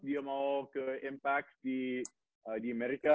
dia mau ke impact di amerika